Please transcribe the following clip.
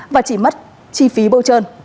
và chỉ mất chi phí bâu trơn